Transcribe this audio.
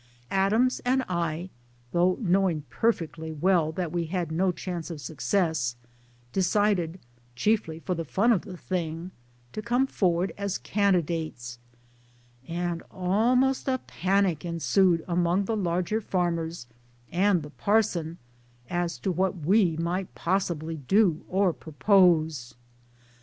Adams and I though knowing per fectly well that we had no chance of success decided chiefly for the fun of the thing to come forward as candidates; and almost a panic ensued among the larger farmers and the parson as to what we might possibly do or propose.